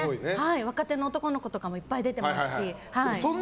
若手の男の子とかもいっぱい出ていますし。